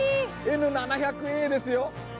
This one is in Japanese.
Ｎ７００Ａですよ。